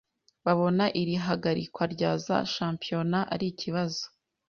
babona iri hagarikwa rya za shampiyona arikibazo